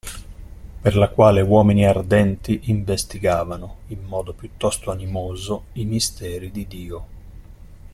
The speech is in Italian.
Per la quale uomini ardenti, investigavano, in modo piuttosto animoso i misteri di Dio.